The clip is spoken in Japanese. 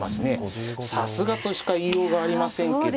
さすがとしか言いようがありませんけど。